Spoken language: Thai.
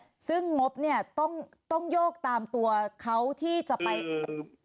อเรนนี่ซึ่งมบเนี่ยต้องโยกตามตัวเขาที่จะไป